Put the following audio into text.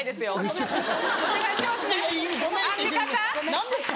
何ですか？